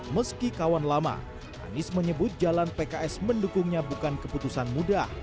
meski kawan lama anies menyebut jalan pks mendukungnya bukan keputusan mudah